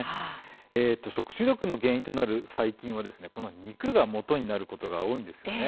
食中毒の原因となる細菌は肉がもとになることが多いんです。